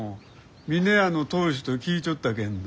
峰屋の当主と聞いちょったけんど。